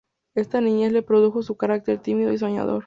Esta niñez le produjo su carácter tímido y soñador.